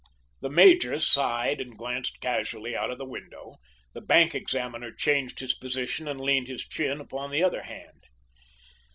The major sighed and glanced casually out of the window. The bank examiner changed his position, and leaned his chin upon his other hand.